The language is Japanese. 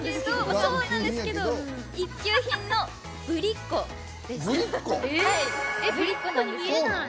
そうなんですけど一級品のぶりっ子でした。